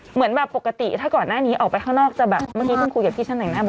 เหมือนแบบปกติถ้าก่อนหน้านี้ออกไปข้างนอกจะแบบเมื่อกี้เพิ่งคุยกับพี่ช่างแต่งหน้าบอก